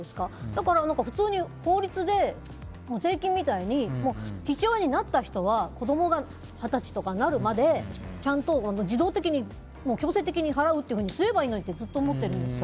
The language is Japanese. だから、普通に法律で税金みたいに、父親になった人は子供が二十歳とかになるまでちゃんと自動的に強制的に払うってすればいいのにってずっと思っているんです。